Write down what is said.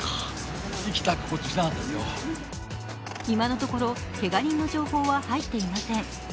今のところ、けが人の情報は入っていません。